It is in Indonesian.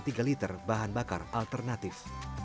tiga liter bahan bakar alternatif